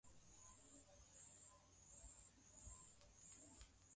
Mwangalizi wa makumbusho ya Kilwa Abdallah Mtemi ambaye anasema